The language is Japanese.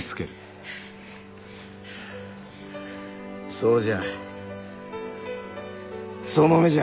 そうじゃその目じゃ！